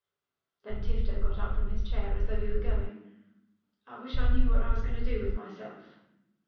Then Tifto got up from his chair, as though he were going. "I wish I knew what I was going to do with myself."